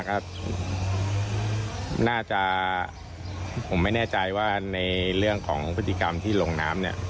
ก็น่าจะผมไม่แน่ใจว่าในเรื่องของพฤติกรรมที่ลงน้ำเนี่ย